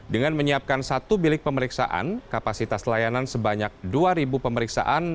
dengan menyiapkan satu bilik pemeriksaan kapasitas layanan sebanyak dua pemeriksaan